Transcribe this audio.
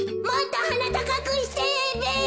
もっとはなたかくしてべ！